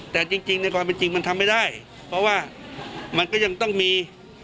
แต่จริงในความเป็นจริงมันทำไม่ได้เพราะว่ามันก็ยังต้องมี